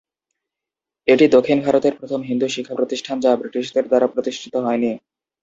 এটি দক্ষিণ ভারতের প্রথম হিন্দু শিক্ষা প্রতিষ্ঠান যা ব্রিটিশদের দ্বারা প্রতিষ্ঠিত হয়নি।